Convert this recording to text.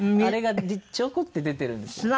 あれがちょこって出てるんです。